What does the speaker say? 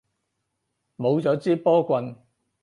冇咗支波棍